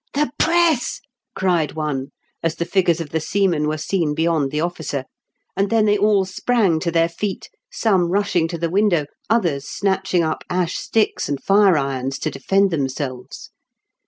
" The press !" cried one, as the figures of the seamen were seen beyond the officer ; and then they all sprang to their feet, some rushing to the window, others snatching up ash sticks and fire irons to defend themselves.